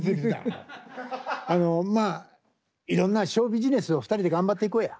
あのまあいろんなショービジネスを２人で頑張っていこうや。